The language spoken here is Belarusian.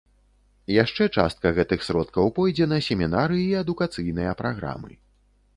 Яшчэ частка гэтых сродкаў пойдзе на семінары і адукацыйныя праграмы.